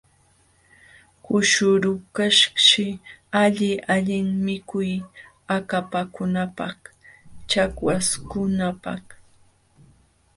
Kushurukaqshi alli allin mikuy akapakunapaq chakwaśhkunapaq.